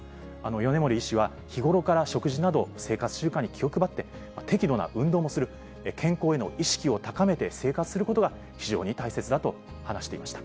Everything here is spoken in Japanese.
米盛医師は日頃から食事など、生活習慣に気を配って、適度な運動もする、健康への意識を高めて生活することが、非常に大切だと話していました。